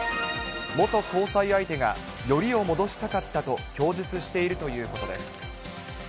元交際相手が、よりを戻したかったと供述しているということです。